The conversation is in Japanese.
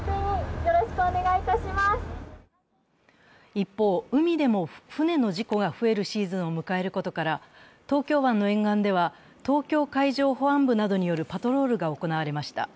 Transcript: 一方、海でも船の事故が増えるシーズンを迎えることから東京湾の沿岸では東京海上本部などによるパトロールが行われました。